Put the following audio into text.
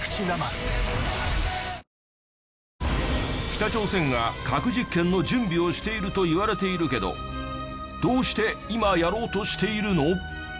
北朝鮮が核実験の準備をしているといわれているけどどうして今やろうとしているの？